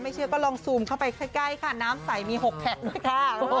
เชื่อก็ลองซูมเข้าไปใกล้ค่ะน้ำใสมี๖แทะด้วยค่ะ